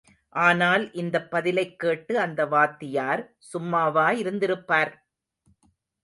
ஆனால் இந்தப் பதிலைக் கேட்டு அந்த வாத்தியார் சும்மாவா இருந்திருப்பார்?